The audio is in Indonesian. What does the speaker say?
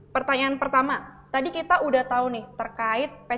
pertanyaan pertama tadi kita udah tahu nih terkait p tiga